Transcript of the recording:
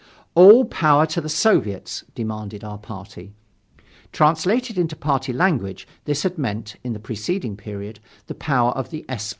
All power to the Soviets! demanded our party. Translated into party language, this had meant, in the preceding period, the power of the S.